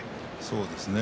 そうですね。